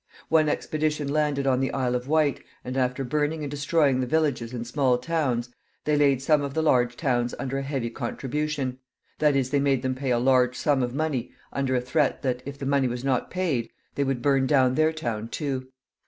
One expedition landed on the Isle of Wight, and after burning and destroying the villages and small towns, they laid some of the large towns under a heavy contribution; that is, they made them pay a large sum of money under a threat that, if the money was not paid, they would burn down their town too.